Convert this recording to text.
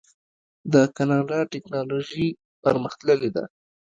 د کاناډا ټیکنالوژي پرمختللې ده.